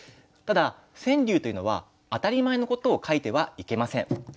ただ川柳というのは当たり前のことを書いてはいけません。